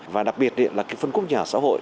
và đặc biệt là phân quốc nhà xã hội